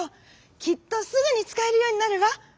きっとすぐにつかえるようになるわ。